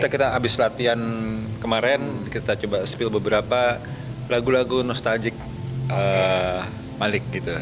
kita habis latihan kemarin kita coba spill beberapa lagu lagu nostalgic malik gitu